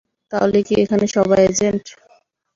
তাহলে কি এখানে সবাই এজেন্ট?